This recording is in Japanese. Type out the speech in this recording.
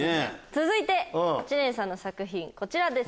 続いて知念さんの作品こちらです。